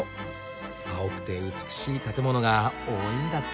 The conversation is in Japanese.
青くて美しい建物が多いんだって。